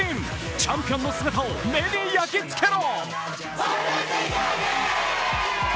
チャンピオンの姿を目に焼き付けろ！